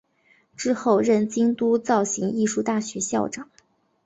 之后任京都造形艺术大学校长。